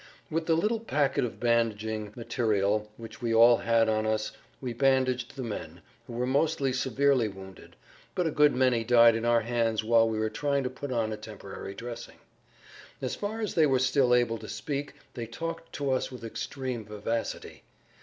With the little packet of bandaging material which we all had on us we bandaged the men, who were mostly severely wounded, but a good many died in our hands while we were trying to put on a temporary dressing. As far as they were still able to speak they talked to us with extreme vivacity.